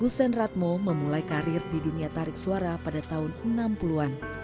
hussein ratmo memulai karir di dunia tarik suara pada tahun enam puluh an